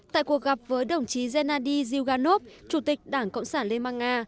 tại cuộc gặp với đồng chí gennady zyuganov chủ tịch đảng cộng sản liên bang nga